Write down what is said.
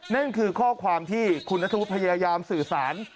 นั่นคือข้อความที่คุณนัทธวุฒิพยายามสื่อสาร